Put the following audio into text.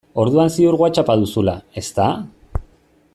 Orduan ziur Whatsapp-a duzula, ezta?